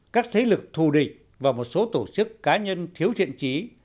các thế lực thù địch và một số tổ chức cá nhân thiếu thiện trí